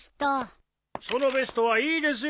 そのベストはいいですよ。